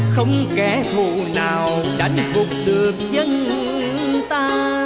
không kẻ thù nào đánh phục được dân ta